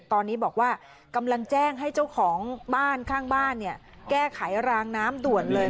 ตอนนี้บอกว่ากำลังแจ้งให้เจ้าของบ้านข้างบ้านแก้ไขรางน้ำด่วนเลย